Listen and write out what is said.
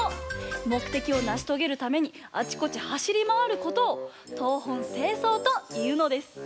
もくてきをなしとげるためにあちこち走りまわることを東奔西走というのです。